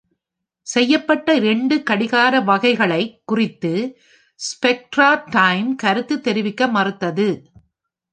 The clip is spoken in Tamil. செய்யப்பட்ட இரண்டு கடிகார வகைகளைக் குறித்து ஸ்பெக்ட்ரா டைம் கருத்து தெரிவிக்க மறுத்தது.